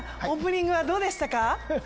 オープニングはどうでしたか？